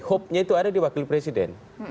hopenya itu ada di wakil presiden